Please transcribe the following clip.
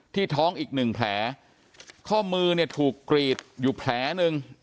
ท้องอีกหนึ่งแผลข้อมือเนี่ยถูกกรีดอยู่แผลหนึ่ง